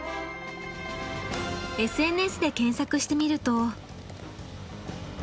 ＳＮＳで検索してみると。